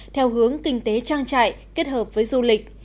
theo hướng kinh tế trang trại kết hợp với du lịch